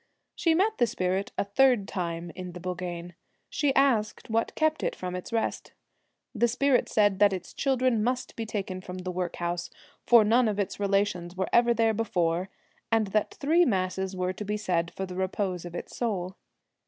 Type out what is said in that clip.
She met the spirit a third time in the bogeen. She asked what kept it from its rest. The spirit said that its children must be taken from the workhouse, for none of its relations were ever there before, and that three masses were to be said for the repose of its soul.